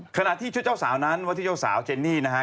ขณะที่ชุดเจ้าสาวนั้นว่าที่เจ้าสาวเจนนี่นะฮะ